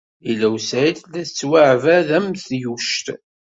Lila u Saɛid tella tettwaɛbed am tyuct.